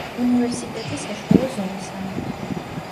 უნივერსიტეტი საშუალო ზომისაა.